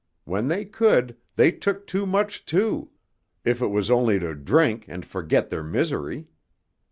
When they could, they took too much, too, if it was only to drink and forget their misery.